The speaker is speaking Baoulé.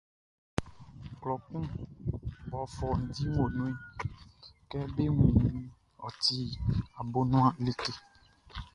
Klɔ kun mɔ fɔundi o nunʼn, kɛ be wun iʼn, ɔ ti abonuan like.